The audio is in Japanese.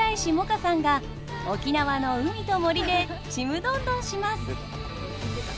歌さんが沖縄の海と森でちむどんどんします！